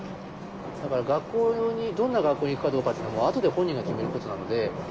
だから学校にどんな学校に行くかどうかっていうのはあとで本人が決めることなので。